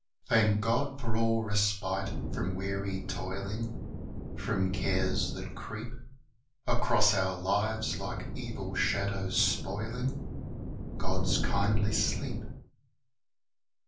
Thank God for all respite from weary toiling, From cares that creep Across our lives like evil shadows, spoiling God's kindly sleep.